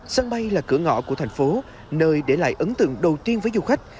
sân bay là cửa ngõ của thành phố nơi để lại ấn tượng đầu tiên với du khách